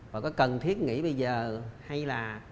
và có cần thiết nghỉ bây giờ hay là